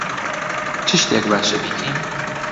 چ شتێک باشە بیکەین؟